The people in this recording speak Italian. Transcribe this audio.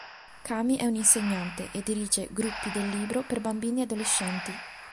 Kami è un insegnante e dirige "gruppi del libro" per bambini e adolescenti.